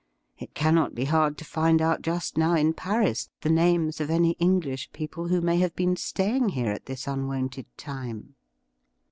It cannot be hard to find out just now in Paris the names of any English people who may have been staying here at this unwonted time.'